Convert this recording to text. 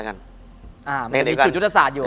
มันจะมีจุดยุทธศาสตร์อยู่